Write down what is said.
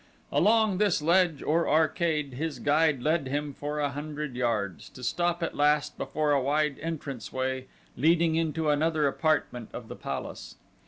Along this ledge, or arcade, his guide led him for a hundred yards, to stop at last before a wide entrance way leading into another apartment of the palace.